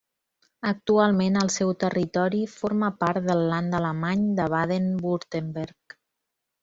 Actualment el seu territori forma part del Land alemany de Baden-Württemberg.